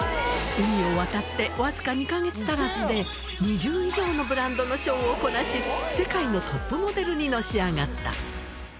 海を渡って僅か２か月足らずで、２０以上のブランドのショーをこなし、世界のトップモデルにのし上がった。